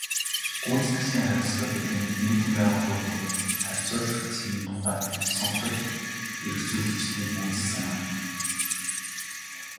Гүйцэтгэлийн хариуцлага гэдэг нь нийтийн байгууллагуудын харьцуулах цэгийн тухай сонгодог эргэцүүлэгчдийн үзэл санаа.